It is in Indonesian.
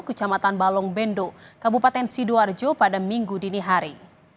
kecamatan balong bendo kabupaten sidoarjo pada minggu dini hari